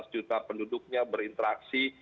sebelas juta penduduknya berinteraksi